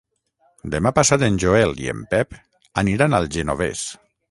Demà passat en Joel i en Pep aniran al Genovés.